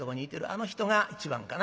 あの人が１番かな。